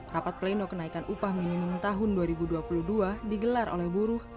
rapat pleno kenaikan upah minimum tahun dua ribu dua puluh dua digelar oleh buruh